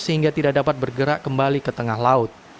sehingga tidak dapat bergerak kembali ke tengah laut